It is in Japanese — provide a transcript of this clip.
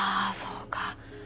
あそうか。